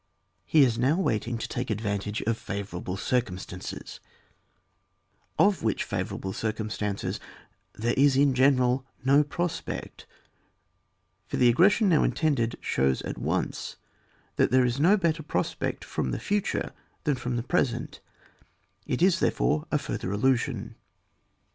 He is now waiting to take advantage of favourable circumstances, of which favour able circumstances there is in general no prospect, for the aggression now intended shows at once that there is no better prospect from the future than from the present; it is, therefore, a ftoher illusion.